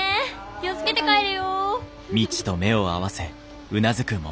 気を付けて帰れよ。